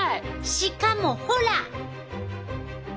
しかもほら！